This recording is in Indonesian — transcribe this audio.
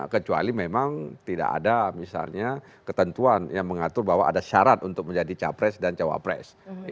kecuali memang tidak ada misalnya ketentuan yang mengatur bahwa ada syarat untuk menjadi capres dan cawapres